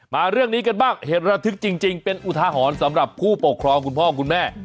เรื่องนี้กันบ้างเหตุระทึกจริงเป็นอุทาหรณ์สำหรับผู้ปกครองคุณพ่อคุณแม่